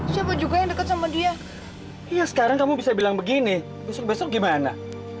sama dia iya sekarang kamu bisa bilang begini besok besok gimana